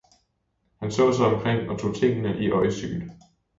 Han så sig omkring og tog tingene i øjesyn.